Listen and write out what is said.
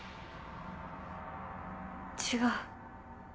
違う。